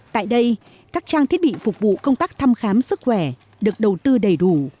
tại đây các trang thiết bị phục vụ công tác thăm khám sức khỏe được đầu tư đầy đủ